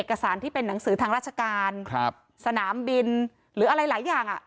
เอกสารที่เป็นหนังสือทางราชการครับสนามบินหรืออะไรหลายอย่างอ่ะ